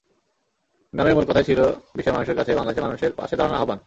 গানের মূল কথাই ছিল বিশ্বের মানুষের কাছে বাংলাদেশের মানুষের পাশে দাঁড়ানোর আহ্বান।